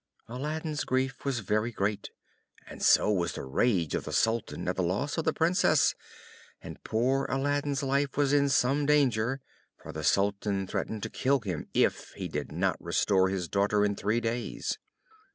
Aladdin's grief was very great, and so was the rage of the Sultan at the loss of the Princess, and poor Aladdin's life was in some danger, for the Sultan threatened to kill him if he did not restore his daughter in three days.